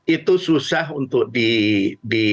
itu susah untuk di